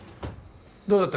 どうだった？